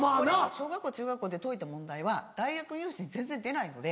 小学校中学校で解いた問題は大学入試に全然出ないので。